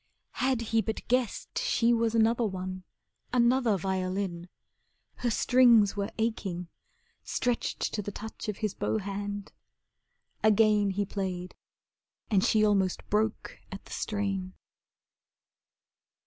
Had he but guessed she was another one, Another violin. Her strings were aching, Stretched to the touch of his bow hand, again He played and she almost broke at the strain.